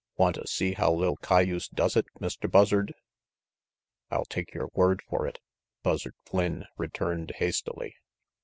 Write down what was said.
Wanta see how li'l cayuse does it, Mr. Buzzard?" "I'll take your word for it," Buzzard Flynn returned hastily.